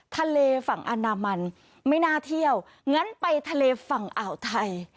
ทะเลฝั่งอันดามันไม่น่าเที่ยวงั้นไปทะเลฝั่งอ่าวไทย